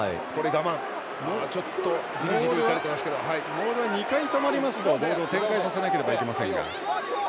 モールは２回止まりますとボールを展開させなければいけません。